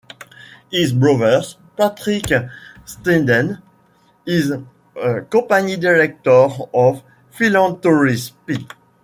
His brother, Patrick Snedden, is a company director and philanthropist.